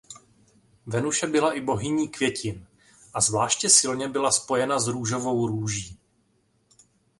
Venuše byla i bohyní květin a zvláště silně byla spojena s růžovou růží.